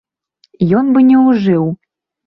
Ён бы не ўжыў.